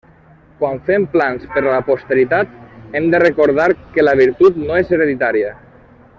Quan fem plans per a la posteritat hem de recordar que la virtut no és hereditària.